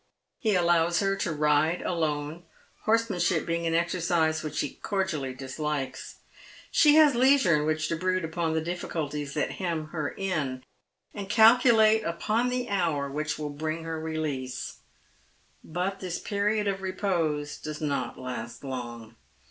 He allows her to ride alone, horse manship being an exercise which he cordially dislikes. She has leisure in which to brood upon the difaculties that hem her in, and calculate upon the hour which will bring her release. But this period of repose does not last long.